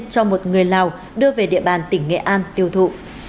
cho một người lào đưa về địa bàn tỉnh nghệ an tiêu thụ